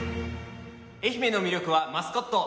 愛媛の魅力はマスコット。